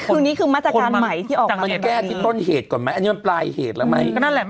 คือนี้คือมาตรการใหม่ที่ออกมาจากตอนนี้มันแก้ที่ต้นเหตุก่อนไหม